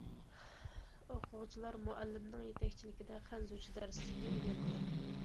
ئوقۇغۇچىلار مۇئەللىمنىڭ يېتەكچىلىكىدە خەنزۇچە دەرسلىكنى ئۆگەندى.